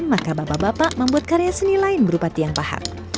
maka bapak bapak membuat karya seni lain berupa tiang pahat